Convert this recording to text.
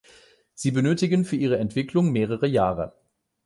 Sie benötigen für ihre Entwicklung mehrere Jahre.